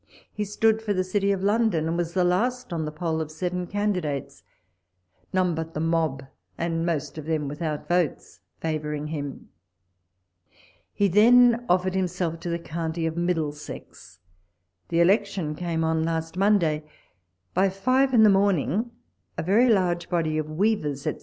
He stood for the City of London, and was the last on the poll of seven candidates, none but the mob, and most of them without votes, favouring him. He then offered himself to the county of Middlesex. The elec tion came on last Monday. By five in the morn ing a very large body of Weavers, etc.